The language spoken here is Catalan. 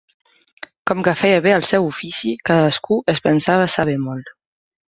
Com que feia bé el seu ofici, cadascú es pensava saber molt.